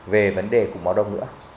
về vấn đề cục máu đông nữa